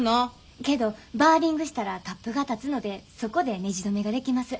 けどバーリングしたらタップが立つのでそこでねじ止めができます。